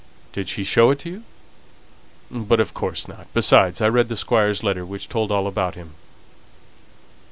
"Did she show it to you? But of course not. Besides, I read the Squire's letter, which told all about him."